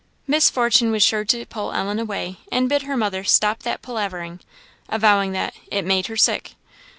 Miss Fortune was sure to pull Ellen away, and bid her mother "stop that palavering," avowing that "it made her sick."